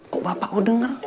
kok bapak kau denger